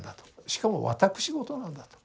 しかも私事なんだと。